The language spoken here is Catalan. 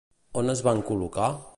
On es van col·locar?